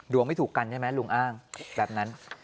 ไม่ถูกกันใช่ไหมลุงอ้างแบบนั้น